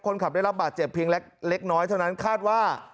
คนขับได้รับบาดเจ็บเพียงเล็กน้อยเท่านั้นคาดว่า